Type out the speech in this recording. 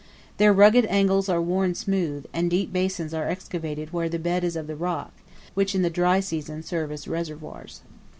Their rugged angles are worn smooth, and deep basins are excavated where the bed is of the rock, which in the dry season serve as reservoirs.